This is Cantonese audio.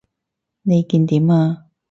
你見點啊？